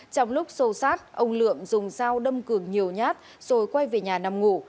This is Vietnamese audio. trong lúc sâu sát ông lượm dùng dao đâm cường nhiều nhát rồi quay về nhà nằm ngủ